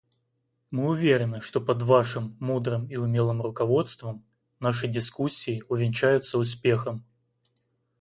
Мы уверены, что под Вашим мудрым и умелым руководством наши дискуссии увенчаются успехом.